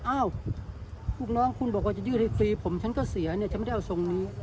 อ้าวลูกน้องคุณบอกว่าจะยืดให้ฟรีผมฉันก็เสียเนี่ยฉันไม่ได้เอาทรงนี้